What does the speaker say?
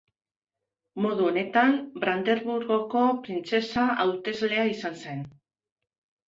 Modu honetan Brandenburgoko printzesa hauteslea izan zen.